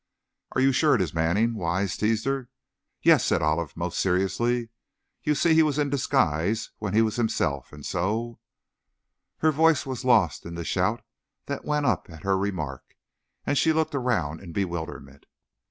"Are you sure it is Manning?" Wise teased her. "Yes," said Olive, most seriously. "You see he was in disguise when he was himself, and so " Her voice was lost in the shout that went up at her remark, and she looked around in bewilderment.